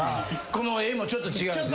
この絵もちょっと違う。